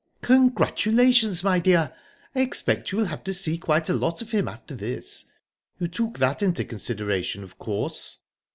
"Congratulations, my dear!...I expect you'll have to see quite a lot of him after this? You took that into consideration, of course?"